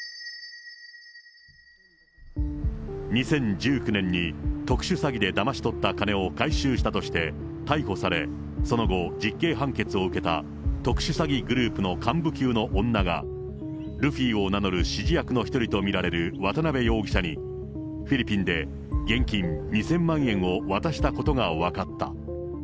２０１９年に特殊詐欺でだまし取った金を回収したとして、逮捕され、その後実刑判決を受けた、特殊詐欺グループの幹部級の女が、ルフィを名乗る指示役の１人と見られる渡辺容疑者に、フィリピンで現金２０００万円を渡したことが分かった。